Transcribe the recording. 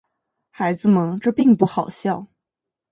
孩子们，这并不好笑。